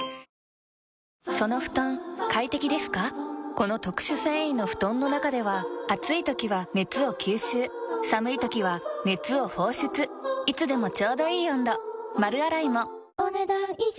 この特殊繊維の布団の中では暑い時は熱を吸収寒い時は熱を放出いつでもちょうどいい温度丸洗いもお、ねだん以上。